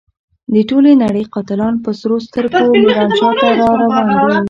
د ټولې نړۍ قاتلان په سرو سترګو ميرانشاه ته را روان دي.